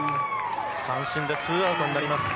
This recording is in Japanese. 三振でツーアウトになります。